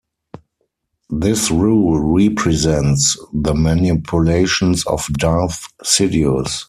This rule represents the manipulations of Darth Sidious.